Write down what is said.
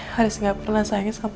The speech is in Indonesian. haris gak pernah sayang sama aku mah